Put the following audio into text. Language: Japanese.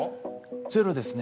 ゼロですね。